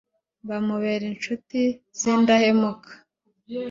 bamubera incuti z'indahemuka